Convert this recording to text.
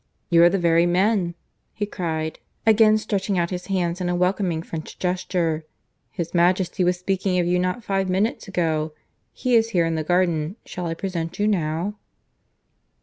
"You are the very men," he cried, again stretching out his hands in a welcoming French gesture. "His Majesty was speaking of you not five minutes ago. He is here, in the garden. Shall I present you now?"